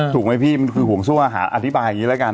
ถูกไหมพี่มันคือห่วงโซ่อาหารอธิบายอย่างนี้แล้วกัน